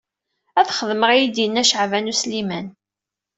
Ad xedmeɣ i yi-d yenna Caɛban U Sliman.